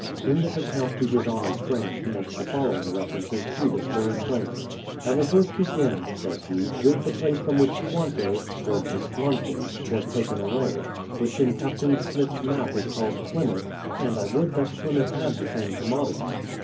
In this account to his honoured friend, he makes the following references to this very place : "I will first begin," saj^s he, "with the place from which Squanto (or Tisquatitem) was taken away, which in Captain Smith's map is called 'Plymouth'; and I would that Plymouth had the same com modities.